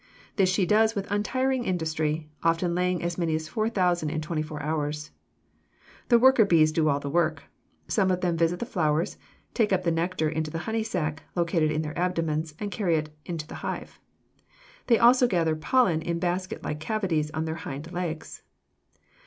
This she does with untiring industry, often laying as many as four thousand in twenty four hours. The worker bees do all the work. Some of them visit the flowers, take up the nectar into the honey sac, located in their abdomens, and carry it to the hive. They also gather pollen in basketlike cavities in their hind legs.